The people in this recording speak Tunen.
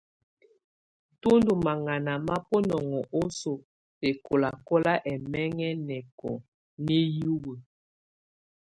Tù ndù maŋana ma bunɔŋɔ osoo bɛkɔlakɔna ɛmɛŋɛ nɛkɔ̀á nɛ hiwǝ.